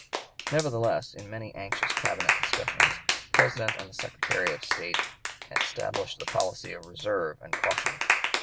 Nevertheless, in many anxious cabinet discussions, the President and the Secretary of State established the policy of reserve and caution.